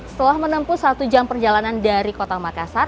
setelah menempuh satu jam perjalanan dari kota makassar